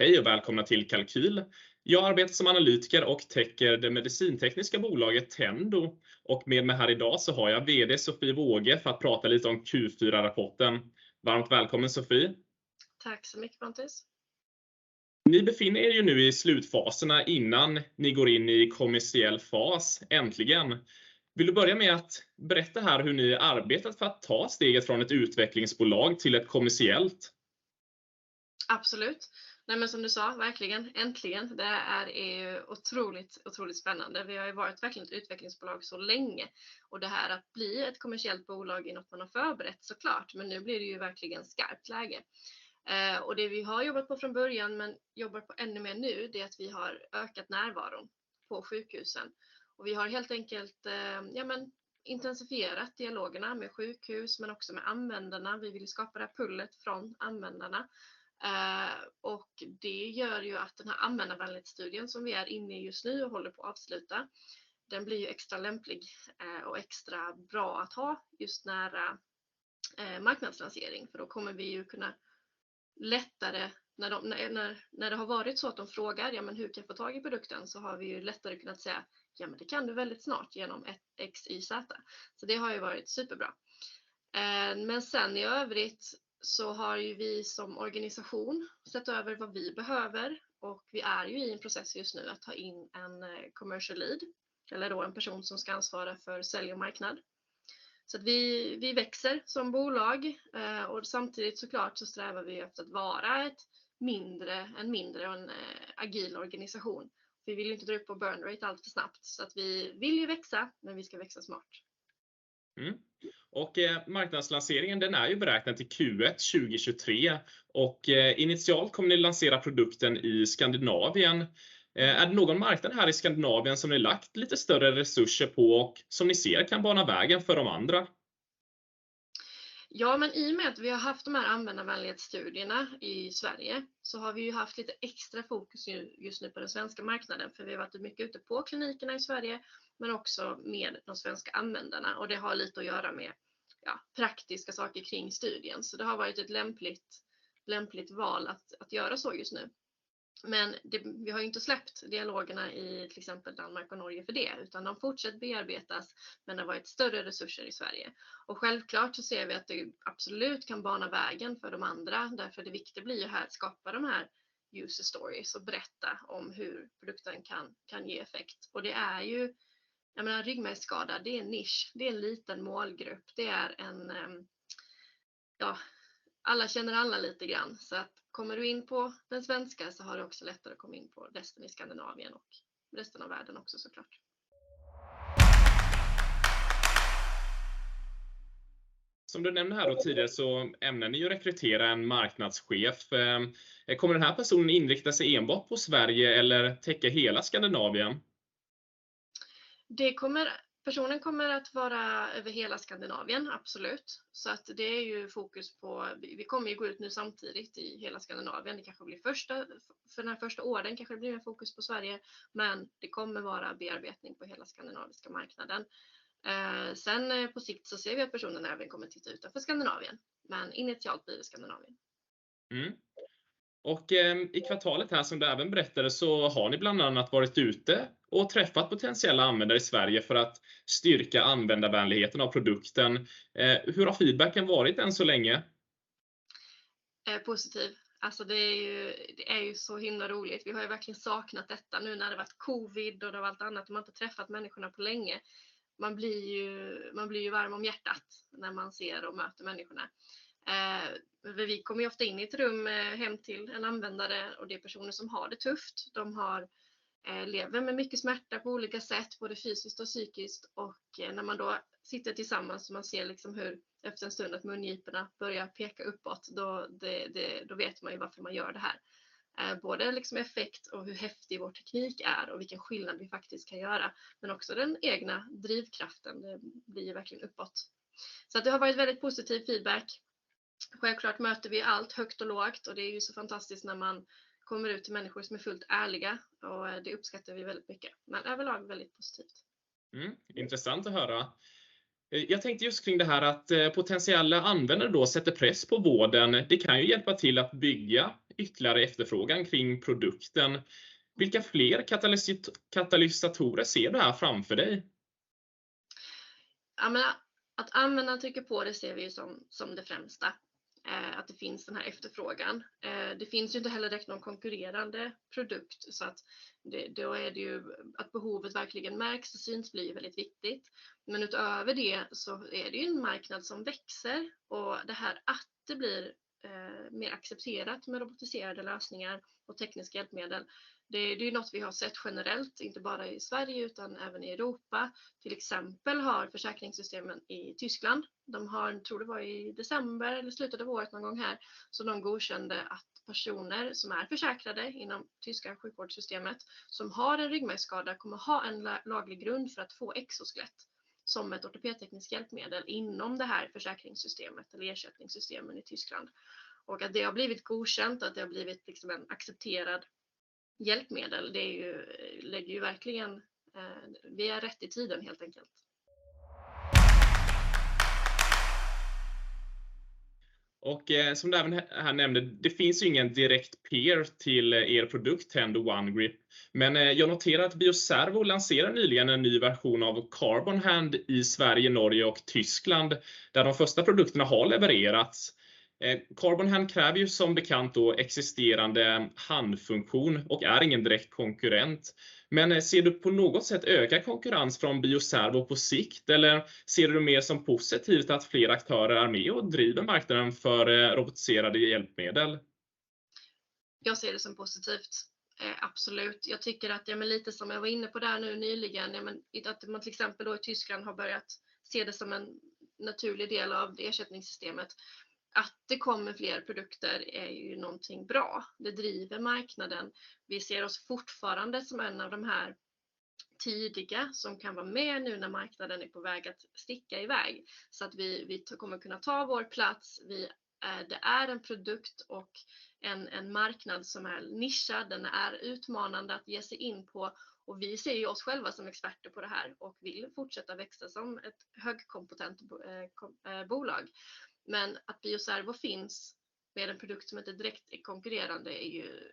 Hej och välkomna till Kalqyl. Jag arbetar som analytiker och täcker det medicintekniska bolaget Tendo. Med mig här i dag så har jag VD Sofie Woge för att prata lite om Q4-rapporten. Varmt välkommen, Sofie. Tack så mycket, Mattias. Ni befinner er ju nu i slutfaserna innan ni går in i kommersiell fas, äntligen. Vill du börja med att berätta här hur ni arbetat för att ta steget från ett utvecklingsbolag till ett kommersiellt? Absolut. Som du sa, verkligen, äntligen. Det är ju otroligt spännande. Vi har ju varit verkligen ett utvecklingsbolag så länge och det här att bli ett kommersiellt bolag är något man har förberett så klart, men nu blir det ju verkligen skarpt läge. Det vi har jobbat på från början men jobbar på ännu mer nu, det är att vi har ökat närvaron på sjukhusen. Vi har helt enkelt, ja men intensifierat dialogerna med sjukhus men också med användarna. Vi vill skapa det här pullet från användarna. Det gör ju att den här användarvänlighetsstudien som vi är inne i just nu och håller på att avsluta, den blir ju extra lämplig och extra bra att ha just nära marknadslansering. Då kommer vi ju kunna lättare när det har varit så att de frågar: "Ja men hur kan jag få tag i produkten?" Har vi ju lättare kunnat säga: "Ja, men det kan du väldigt snart genom ett X, Y, Z." Det har ju varit superbra. Sen i övrigt så har ju vi som organisation sett över vad vi behöver och vi är ju i en process just nu att ta in en commercial lead. Eller då en person som ska ansvara för sälj och marknad. Att vi växer som bolag. Samtidigt så klart så strävar vi efter att vara en mindre och en agil organisation. Vi vill inte dra upp på burn rate alltför snabbt så att vi vill ju växa, men vi ska växa smart. Marknadslanseringen, den är ju beräknad till Q1 2023 och initialt kommer ni lansera produkten i Skandinavien. Är det någon marknad här i Skandinavien som ni lagt lite större resurser på och som ni ser kan bana vägen för de andra? I och med att vi har haft de här användarvänlighetsstudierna i Sverige så har vi ju haft lite extra fokus nu just nu på den svenska marknaden för vi har varit mycket ute på klinikerna i Sverige, men också med de svenska användarna. Det har lite att göra med praktiska saker kring studien. Det har varit ett lämpligt val att göra så just nu. Vi har inte släppt dialogerna i till exempel Danmark och Norge för det, utan de fortsätter bearbetas, men det har varit större resurser i Sverige. Självklart så ser vi att det absolut kan bana vägen för de andra. Det viktiga blir ju här att skapa de här user stories och berätta om hur produkten kan ge effekt. Det är ju, jag menar ryggmärgsskada, det är en nisch, det är en liten målgrupp. Det är en, ja, alla känner alla lite grann. Kommer du in på den svenska så har du också lättare att komma in på resten i Skandinavien och resten av världen också så klart. Som du nämnde här då tidigare så ämnar ni ju rekrytera en marknadschef. Kommer den här personen inrikta sig enbart på Sverige eller täcka hela Skandinavien? personen kommer att vara över hela Skandinavien, absolut. Det är ju fokus på, vi kommer ju gå ut nu samtidigt i hela Skandinavien. Det kanske blir första, för den här första åren kanske det blir mer fokus på Sverige, men det kommer vara bearbetning på hela skandinaviska marknaden. Sen på sikt ser vi att personen även kommer titta utanför Skandinavien. Initialt blir det Skandinavien. I kvartalet här som du även berättade så har ni bland annat varit ute och träffat potentiella användare i Sverige för att styrka användarvänligheten av produkten. Hur har feedbacken varit än så länge? Positiv. Alltså det är ju så himla roligt. Vi har ju verkligen saknat detta nu när det har varit Covid och det har varit annat. Man har inte träffat människorna på länge. Man blir ju varm om hjärtat när man ser och möter människorna. Vi kommer ju ofta in i ett rum hem till en användare och det är personer som har det tufft. De har lever med mycket smärta på olika sätt, både fysiskt och psykiskt. När man då sitter tillsammans och man ser liksom hur efter en stund att mungiporna börjar peka uppåt, då vet man ju varför man gör det här. Både liksom effekt och hur häftig vår teknik är och vilken skillnad vi faktiskt kan göra, men också den egna drivkraften, det blir verkligen uppåt. Det har varit väldigt positiv feedback. Självklart möter vi allt högt och lågt och det är ju så fantastiskt när man kommer ut till människor som är fullt ärliga och det uppskattar vi väldigt mycket. Överlag väldigt positivt. Intressant att höra. Jag tänkte just kring det här att potentiella användare då sätter press på vården. Det kan ju hjälpa till att bygga ytterligare efterfrågan kring produkten. Vilka fler katalysatorer ser du här framför dig? Att användaren trycker på det ser vi ju som det främsta. Att det finns den här efterfrågan. Det finns ju inte heller direkt någon konkurrerande produkt, då är det ju att behovet verkligen märks och syns blir ju väldigt viktigt. Utöver det så är det ju en marknad som växer och det här att det blir mer accepterat med robotiserade lösningar och tekniska hjälpmedel, det är ju något vi har sett generellt, inte bara i Sverige utan även i Europa. Till exempel har försäkringssystemen i Tyskland, de har, tror det var i December eller slutet av året någon gång här, så de godkände att personer som är försäkrade inom tyska sjukvårdssystemet, som har en ryggmärgsskada, kommer ha en laglig grund för att få exoskelett som ett ortopedtekniskt hjälpmedel inom det här försäkringssystemet eller ersättningssystemen i Tyskland. Att det har blivit godkänt, att det har blivit liksom en accepterad hjälpmedel. Det är ju, lägger ju verkligen, vi är rätt i tiden helt enkelt. Som du även här nämnde, det finns ju ingen direkt peer till er produkt, Tendo OneGrip. Jag noterar att Bioservo lanserar nyligen en ny version av Carbonhand i Sverige, Norge och Tyskland, där de första produkterna har levererats. Carbonhand kräver ju som bekant då existerande handfunktion och är ingen direkt konkurrent. Ser du på något sätt öka konkurrens från Bioservo på sikt? Eller ser du det mer som positivt att fler aktörer är med och driver marknaden för robotiserade hjälpmedel? Jag ser det som positivt. Absolut. Jag tycker att, lite som jag var inne på där nu nyligen, att man till exempel då i Tyskland har börjat se det som en naturlig del av ersättningssystemet. Att det kommer fler produkter är ju nånting bra. Det driver marknaden. Vi ser oss fortfarande som en av de här tidiga som kan vara med nu när marknaden är på väg att sticka i väg. Vi kommer kunna ta vår plats. Det är en produkt och en marknad som är nischad. Den är utmanande att ge sig in på och vi ser ju oss själva som experter på det här och vill fortsätta växa som ett högkompetent bolag. Att Bioservo finns med en produkt som inte är direkt konkurrerande är ju,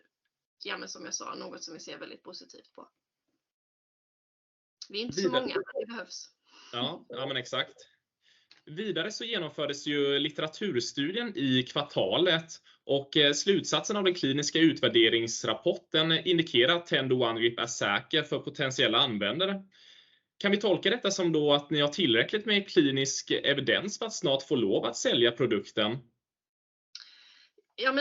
ja men som jag sa, något som vi ser väldigt positivt på. Vi är inte så många, men det behövs. Ja, ja men exakt. Vidare så genomfördes ju litteraturstudien i kvartalet och slutsatsen av den kliniska utvärderingsrapporten indikerar att Tendo One Grip är säker för potentiella användare. Kan vi tolka detta som då att ni har tillräckligt med klinisk evidens för att snart få lov att sälja produkten?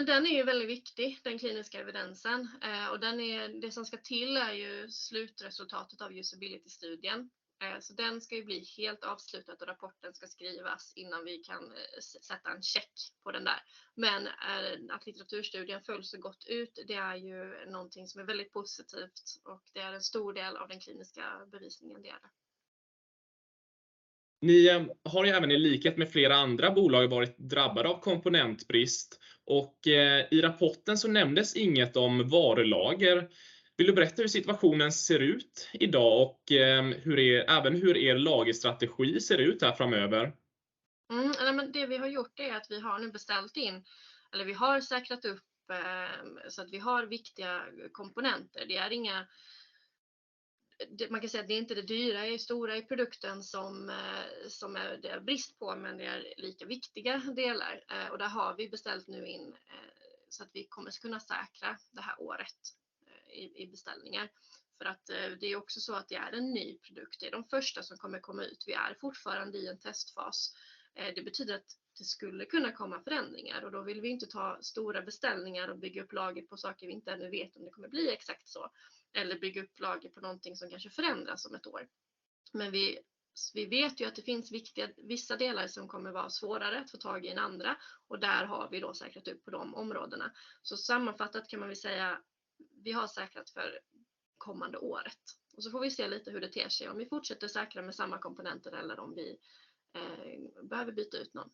Den är ju väldigt viktig, den kliniska evidensen. Det som ska till är ju slutresultatet av usability study. Den ska ju bli helt avslutad och rapporten ska skrivas innan vi kan sätta en check på den där. Litteraturstudien föll så gott ut, det är ju nånting som är väldigt positivt och det är en stor del av den kliniska bevisningen, det är det. Ni har ju även i likhet med flera andra bolag varit drabbade av komponentbrist och i rapporten så nämndes inget om varulager. Vill du berätta hur situationen ser ut i dag och hur er, även hur er lagerstrategi ser ut här framöver? Nej men det vi har gjort är att vi har nu beställt in eller vi har säkrat upp, så att vi har viktiga komponenter. Det är inga. Man kan säga att det är inte det dyra och stora i produkten som är, det är brist på, men det är lika viktiga delar. Där har vi beställt nu in, så att vi kommer att kunna säkra det här året i beställningar. Det är också så att det är en ny produkt. Det är de första som kommer komma ut. Vi är fortfarande i en testfas. Det betyder att det skulle kunna komma förändringar och då vill vi inte ta stora beställningar och bygga upp lager på saker vi inte ännu vet om det kommer bli exakt så. Bygga upp lager på nånting som kanske förändras om ett år. Vi vet ju att det finns viktiga, vissa delar som kommer vara svårare att få tag i än andra, och där har vi då säkrat upp på de områdena. Sammanfattat kan man väl säga, vi har säkrat för kommande året. Får vi se lite hur det ter sig. Om vi fortsätter att säkra med samma komponenter eller om vi behöver byta ut någon.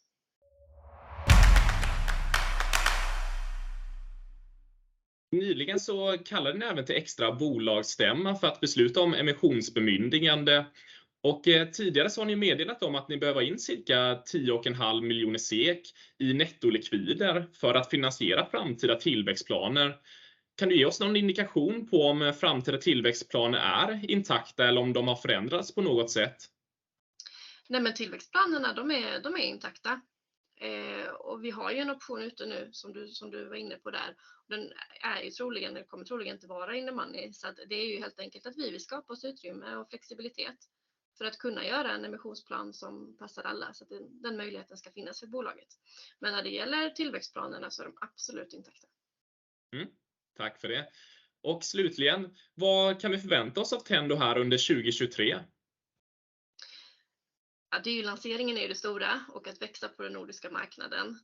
Nyligen så kallade ni även till extra bolagsstämma för att besluta om emissionsbemyndigande. Tidigare så har ni meddelat om att ni behöver ha in cirka tio och en halv miljoner SEK i nettolikvider för att finansiera framtida tillväxtplaner. Kan du ge oss någon indikation på om framtida tillväxtplaner är intakta eller om de har förändrats på något sätt? Nej men tillväxtplanerna, de är intakta. Vi har ju en option ute nu som du var inne på där. Den kommer troligen inte vara inne money. Det är ju helt enkelt att vi vill skapa oss utrymme och flexibilitet för att kunna göra en emissionsplan som passar alla, så att den möjligheten ska finnas för bolaget. När det gäller tillväxtplanerna så är de absolut intakta. Tack för det. Slutligen, vad kan vi förvänta oss av Tendo här under 2023? Ja, lanseringen är ju det stora och att växa på den nordiska marknaden.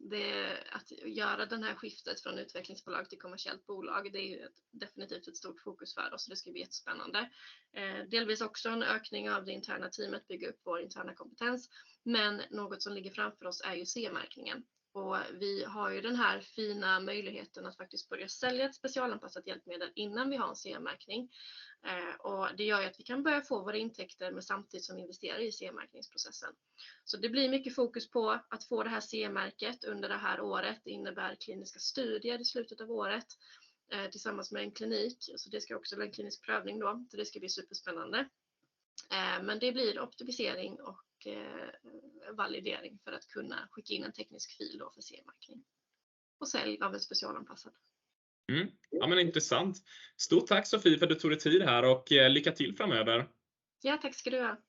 att göra den här skiftet från utvecklingsbolag till kommersiellt bolag, det är definitivt ett stort fokus för oss. Det ska bli jättespännande. delvis också en ökning av det interna teamet, bygga upp vår interna kompetens. Något som ligger framför oss är ju CE marking. Vi har ju den här fina möjligheten att faktiskt börja sälja ett specialanpassat hjälpmedel innan vi har en CE marking. det gör ju att vi kan börja få våra intäkter men samtidigt som vi investerar i CE marking processen. Det blir mycket fokus på att få det här CE mark under det här året. Det innebär kliniska studier i slutet av året, tillsammans med en klinik. Det ska också bli en klinisk prövning då. Det ska bli superspännande. Men det blir optimisering och validering för att kunna skicka in en teknisk fil då för CE-märkning. Sälja med specialanpassad. intressant. Stort tack Sofie för att du tog dig tid här och lycka till framöver. Ja, tack ska du ha.